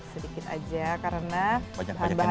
sedikit aja karena bahan bahan yang lainnya